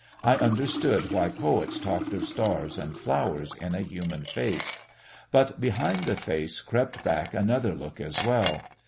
I understood why poets talked of stars and flowers in a human face. But behind the face crept back another look as well.